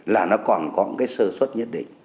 là nó còn có cái sơ xuất nhất định